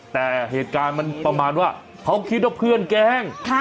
แต่เหตุการณ์มันประมาณว่าเขาคิดว่าเพื่อนแกล้ง